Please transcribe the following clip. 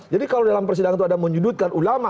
jadi kalau dalam persidangan itu ada menyudutkan ulama